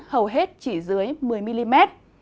hầu hết chỉ dưới một mươi mm